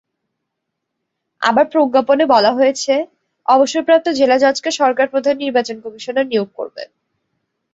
আবার প্রজ্ঞাপনে বলা হয়েছে, অবসরপ্রাপ্ত জেলা জজকে সরকার প্রধান নির্বাচন কমিশনার নিয়োগ করবে।